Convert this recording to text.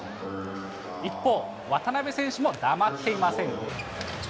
一方、渡邊選手も黙っていません。